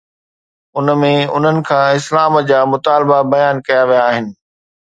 ان ۾ انهن کان اسلام جا مطالبا بيان ڪيا ويا آهن.